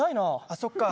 あっそっか。